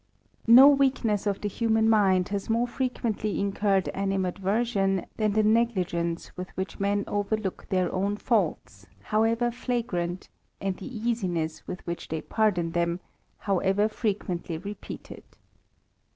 "Vr O weakness of the human mind has more frequen t ^^^ incurred animadversion, than the negligence wit which men overlook their own faults, however flagrant, ani the easiness with which they pardon them, however frequently repeated.